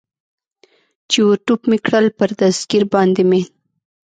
چې ور ټوپ مې کړل، پر دستګیر باندې مې.